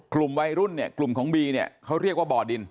กลุ่มวัยรุ่นเนี่ยกลุ่มของบีเนี่ยเขาเรียกว่าบ่อดิน